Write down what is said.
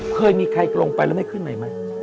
เคยมีใครลงไปแล้วไม่ขึ้นใหม่ไหม